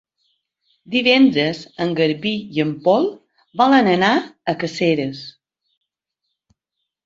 Divendres en Garbí i en Pol volen anar a Caseres.